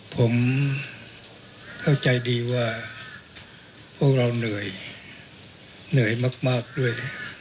ผมเข้าใจดีว่าพวกเราเหนื่อยเหนื่อยมากด้วย